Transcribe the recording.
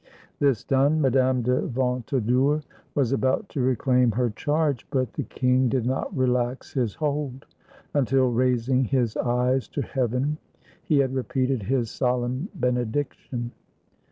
This done, Madame de Ventadour was about to re 271 FRANCE claim her charge, but the king did not relax his hold, until, raising his eyes to heaven, he had repeated his solemn benediction.